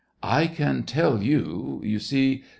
" I can tell you, yon see